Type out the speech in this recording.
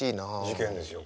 事件ですよ